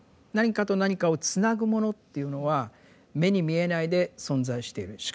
何かと何かをつなぐものっていうのは目に見えないで存在している。